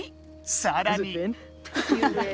さらに。